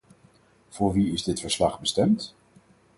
Voor wie is dit verslag bestemd?